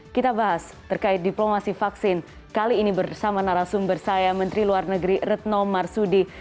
kita bahas terkait diplomasi vaksin kali ini bersama narasumber saya menteri luar negeri retno marsudi